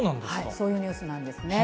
そういうニュースなんですね。